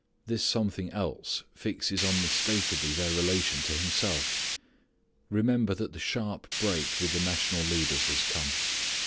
This something else fixes unmistakably their relation to Himself. Remember that the sharp break with the national leaders has come.